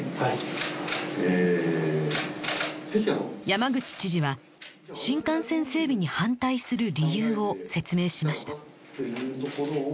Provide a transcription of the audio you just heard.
山口知事は新幹線整備に反対する理由を説明しました